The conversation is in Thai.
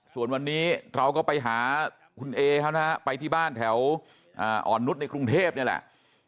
ส่วนวันนี้เราก็ไปหาคุณเอเขานะฮะไปที่บ้านแถวอ่อนนุษย์ในกรุงเทพนี่แหละ